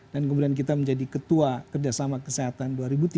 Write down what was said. dan kemudian kita menjadi ketua kerjasama kesehatan dua ribu tiga belas dua ribu lima belas